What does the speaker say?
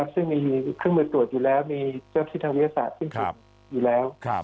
ซึ่งมีเครื่องมือตรวจอยู่แล้วมีเจ้าที่ทางวิทยาศาสตร์ซึ่งผิดอยู่แล้ว